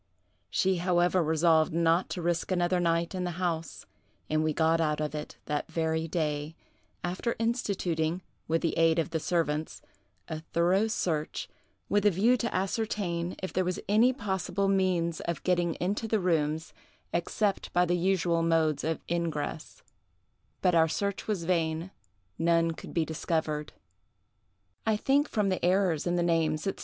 She however resolved not to risk another night in the house; and we got out of it that very day, after instituting, with the aid of the servants, a thorough search, with a view to ascertain if there was any possible means of getting into the rooms except by the usual modes of ingress; but our search was vain—none could be discovered. "I think, from the errors in the names, &c.